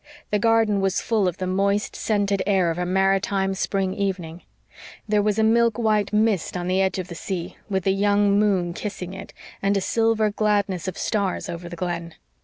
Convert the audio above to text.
The garden was full of the moist, scented air of a maritime spring evening. There was a milk white mist on the edge of the sea, with a young moon kissing it, and a silver gladness of stars over the Glen.